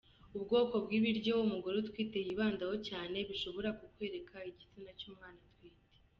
Ubwoko bw’ibiryo umugore utwite yibandaho cyane bishobora kukwereka igitsina cy’umwana atwite.